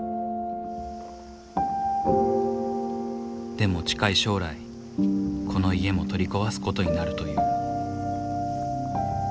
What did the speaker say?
でも近い将来この家も取り壊すことになるという。